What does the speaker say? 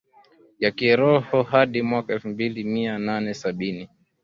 ya kiroho hadi mwaka elfu moja Mia nane sabini